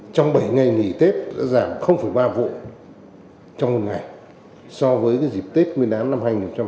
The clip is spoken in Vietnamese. trong bảy ngày nghỉ tết đã giảm ba vụ trong một ngày so với dịp tết nguyên đán năm hai nghìn hai mươi ba